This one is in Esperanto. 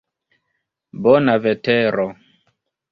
Bona vetero.